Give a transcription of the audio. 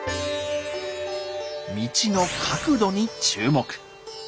道の角度に注目。